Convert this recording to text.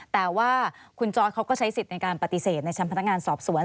แต่ว่าคุณจอร์ดเขาก็ใช้สิทธิ์ในการปฏิเสธในชั้นพนักงานสอบสวน